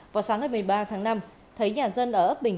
vào sáng ngày một mươi ba tháng năm thấy nhà dân ở ấp bình